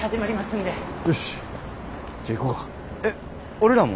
俺らも？